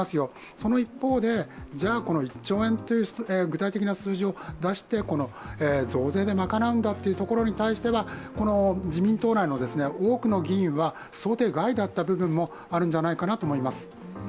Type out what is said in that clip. その一方で、この１兆円という具体的な数字を出して増税で賄うんだというところに対しては自民党内の多くの議員は想定外だった部分もあるんじゃないかなと思います。